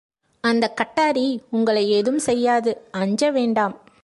அந்தக் கட்டாரி உங்களை ஏதும் செய்யாது.அஞ்ச வேண்டாம்!